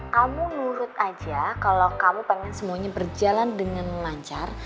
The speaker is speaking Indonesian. kamu nurut aja kalau kamu pengen semuanya berjalan dengan lancar